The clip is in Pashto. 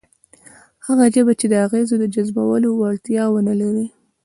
هغه ژبه چې د اغېزو د جذبولو وړتیا ونه لري،